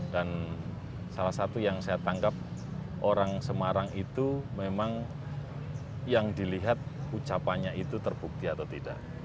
dan salah satu yang saya tangkap orang semarang itu memang yang dilihat ucapannya itu terbukti atau tidak